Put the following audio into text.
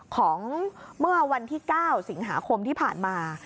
ของเมื่อวันที่๙สิงหาคมที่ผ่านมา